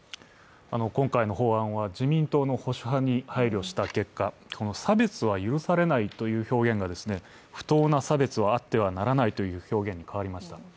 今回の法案は自民党の保守派に配慮した結果、この差別は許されないという表現が不当な差別はあってはならないという表現に変わりました。